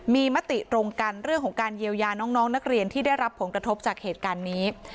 มีมติตรงกันเรื่องของการเยียวยาน้องนักเรียนที่ได้รับผลกระทบจากเหตุการณ์นี้